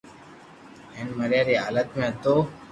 ھين مريا ري حالت ۾ ھتو